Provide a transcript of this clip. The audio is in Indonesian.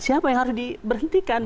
siapa yang harus diberhentikan